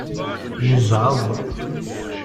Yezɛeḍ.